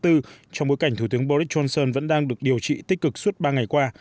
trong bối cảnh thủ tướng boris johnson vẫn đang được điều trị tích cực suốt ba ngày qua